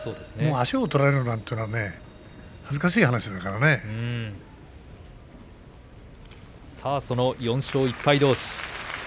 足を取られるなんていうのはねその４勝１敗どうし。